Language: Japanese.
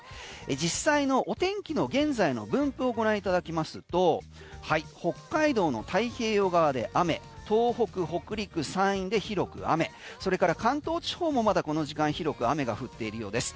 実際のお天気の現在の分布をご覧いただきますと北海道の太平洋側で雨東北、北陸、山陰で広く雨それから関東地方もまだこの時間広く雨が降っているようです。